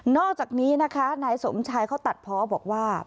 อกจากนี้นะคะนายสมชายเขาตัดเพาะบอกว่า